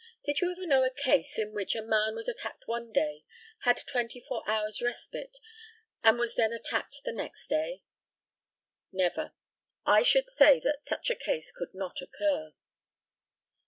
Did you ever know a case in which, a man was attacked one day, had twenty four hours' respite, and was then attacked the next day? Never. I should say that such a case could not occur.